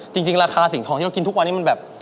จริงราคาสิ่งของที่เรากินทุกวันนี้มันแบบ